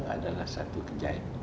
adalah satu kejayaan